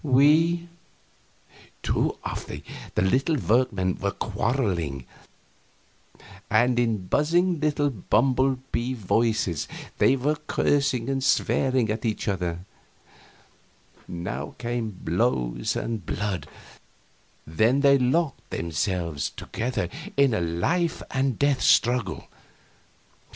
We " Two of the little workmen were quarreling, and in buzzing little bumblebee voices they were cursing and swearing at each other; now came blows and blood; then they locked themselves together in a life and death struggle.